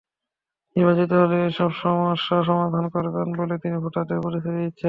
নির্বাচিত হলে এসব সমস্যা সমাধান করবেন বলে তিনি ভোটারদের প্রতিশ্রুতি দিচ্ছেন।